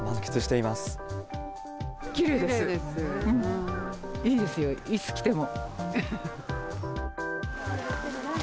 いいですよ、いつ来ても。